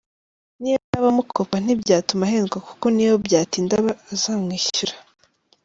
N’iyo yaba amukopa ntibyatuma ahendwa kuko niyo byatinda aba azamwishyura”.